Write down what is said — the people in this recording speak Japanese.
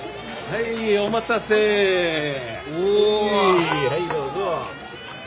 はいどうぞ。